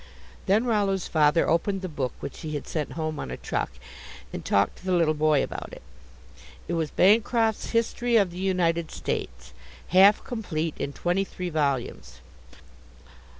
Then Rollo's father opened the book which he had sent home on a truck and talked to the little boy about it. It was Bancroft's History of the United States, half complete in twenty three volumes.